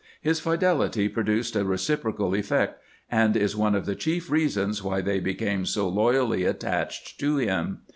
His fidelity produced a reciprocal effect, and is one of the chief reasons why they became so loyally attached to him.